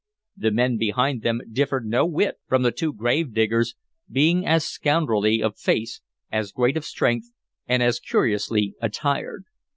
The men behind them differed no whit from the two gravediggers, being as scoundrelly of face, as great of strength, and as curiously attired.